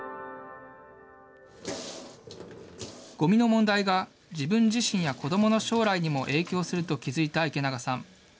ごみの問題が自分自身や子どもの将来にも影響すると気付いた池永さん。